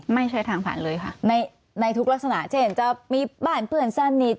ไม่ใช่ทางผ่านเลยค่ะในทุกลักษณะเช่นจะมีบ้านเพื่อนสนิท